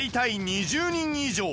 ２０人以上